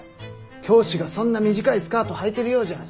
教師がそんな短いスカートはいてるようじゃ